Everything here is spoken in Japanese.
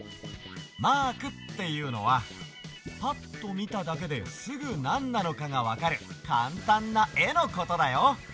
マークっていうのはパッとみただけですぐなんなのかがわかるカンタンなえのことだよ！